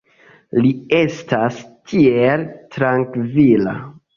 Li estas tiel trankvila.